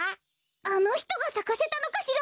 あのひとがさかせたのかしら？